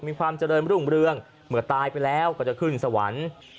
มีความเจริญรุ่งเรืองเมื่อตายไปแล้วก็จะขึ้นสวรรค์